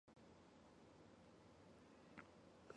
新建的巴姆郡将执行更严格的抗震规定。